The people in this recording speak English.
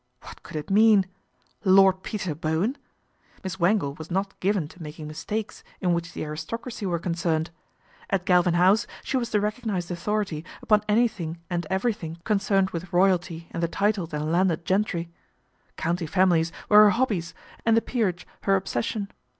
What could it mean ? Lord Peter Bowen ! Miss Wangle was not given to making mistakes in which the aristocracy were concerned. At Galvin House she was the recog nised authority upon anything and everything concerned with royalty and the titled and landed INTERVENTION OF AUNT ADELAIDE 83 gentry. County families were her hobbies and the peerage her obsession.